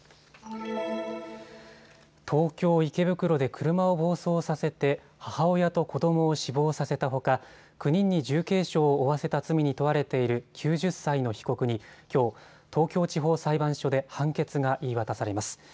東京池袋で車を暴走させて母親と子どもを死亡させたほか９人に重軽傷を負わせた罪に問われている９０歳の被告にきょう、東京地方裁判所で判決が言い渡されます。